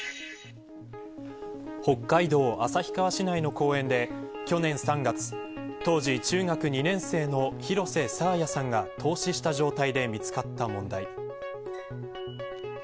北海道旭川市内の公園で去年３月、当時中学２年生の広瀬爽彩さんが凍死した状態で見つかった問題。